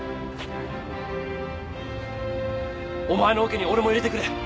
お前のオケに俺も入れてくれ。